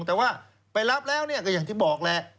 แต่ว่าไปรับแล้วเนี่ยก็อย่างที่บอกแหละ